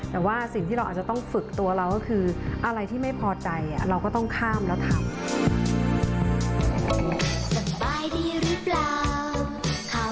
แต่ว่าสิ่งที่เราอาจจะต้องฝึกตัวเราก็คืออะไรที่ไม่พอใจเราก็ต้องข้ามแล้วทำ